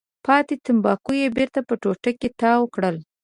پاتې تنباکو یې بېرته په ټوټه کې تاو کړل.